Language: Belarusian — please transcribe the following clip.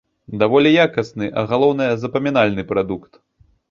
Даволі якасны, а галоўнае, запамінальны прадукт.